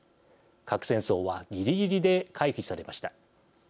核戦争はぎりぎりで回避されました。